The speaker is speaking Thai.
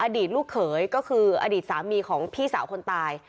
อดีตลูกเขยก็คืออดีตสามีของพี่สาวคนตาย